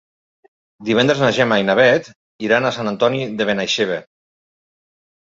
Divendres na Gemma i na Bet iran a Sant Antoni de Benaixeve.